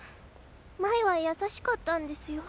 前は優しかったんですよ。